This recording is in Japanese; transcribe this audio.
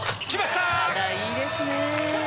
田いいですね。